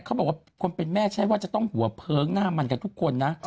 เขาบอกว่าคนเป็นแม่ใช้ว่าจะต้องหัวเพิ้งหน้ามันกันทุกคนนะ